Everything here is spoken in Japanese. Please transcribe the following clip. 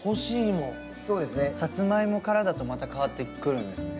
さつまいもからだとまた変わってくるんですね。